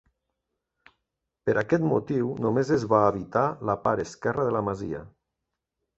Per aquest motiu només es va habitar la part esquerra de la masia.